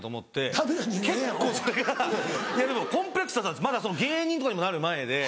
結構それがコンプレックスだったんですまだ芸人とかにもなる前で。